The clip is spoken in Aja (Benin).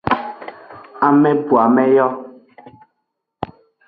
Amebuame yo.